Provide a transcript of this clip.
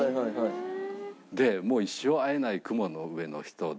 で一生会えない雲の上の人で。